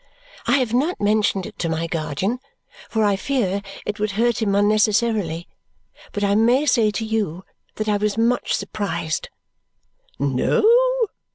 I have not mentioned it to my guardian, for I fear it would hurt him unnecessarily; but I may say to you that I was much surprised." "No?